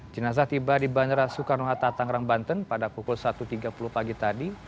jenazah tiba di bandara soekarno hatta tangerang banten pada pukul satu tiga puluh pagi tadi